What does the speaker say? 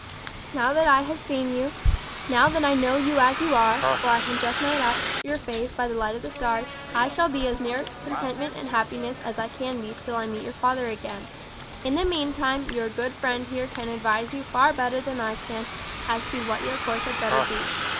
Now that I have seen you, now that I know you as you are, for I can just make out your face by the light of the stars, I shall be as near contentment and happiness as I can be till I meet your father again. In the meantime your good friend here can advise you far better than I can as to what your course had better be.